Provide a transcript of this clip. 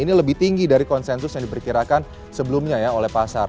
ini lebih tinggi dari konsensus yang diperkirakan sebelumnya ya oleh pasar